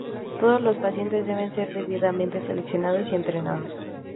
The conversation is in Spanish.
Todos los pacientes deben ser debidamente seleccionados y entrenados.